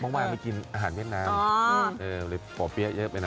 เพราะว่าไม่กินอาหารเวียดนามป่อเปี๊ยะเยอะไปนะ